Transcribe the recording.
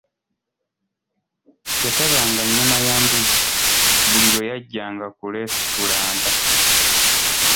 Yasabanga nnyama ya mbuzi buli lwe yajjanga ku lesitulanata.